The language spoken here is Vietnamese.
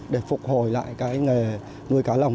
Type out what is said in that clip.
để phục hồi lại cái nghề nuôi cá lồng